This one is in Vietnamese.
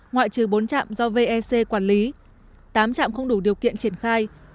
ngoại trừ bốn trạm do vec quản lý tám trạm không đủ điều kiện triển khai